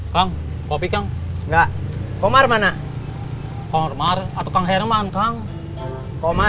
tuhan yang percaya